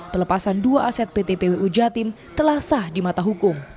pelepasan dua aset pt pwu jatim telah sah di mata hukum